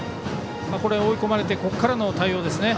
追い込まれてここからの対応ですね。